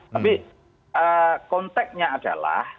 tapi konteknya adalah